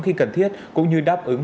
khi cần thiết cũng như đáp ứng